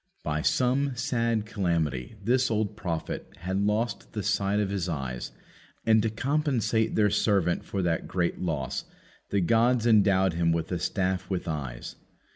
By some sad calamity this old prophet had lost the sight of his eyes, and to compensate their servant for that great loss the gods endowed him with a staff with eyes.